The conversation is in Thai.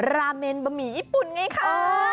ราเมนบะหมี่ญี่ปุ่นไงคะ